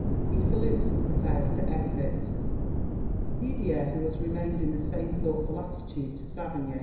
[He salutes and prepares to exit. DIDIER (who has remained in the same thoughtful attitude, to Saverny).